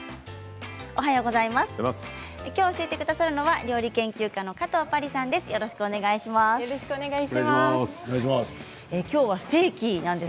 きょう教えてくださるのは料理研究家の加藤巴里さんです。